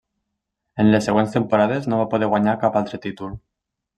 En les següents temporades no va poder guanyar cap altre títol.